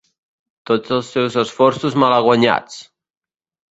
Tots els seus esforços malaguanyats!